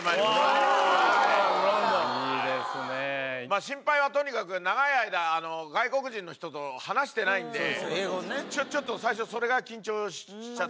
まぁ心配はとにかく長い間外国人の人と話してないんでちょっと最初それが緊張しちゃって。